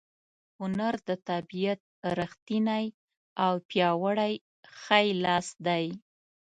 هنر د طبیعت ریښتینی او پیاوړی ښی لاس دی.